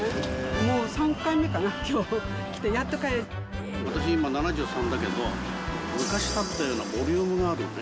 もう３回目かな、きょう、来て、私今、７３だけど、昔食べたようなボリュームがあるのね。